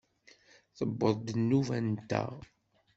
Tewweḍ-d nnuba-nteɣ!